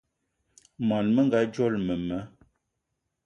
Món menga dzolo mema